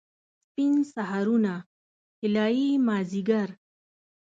سپین سهارونه، طلايي مازدیګر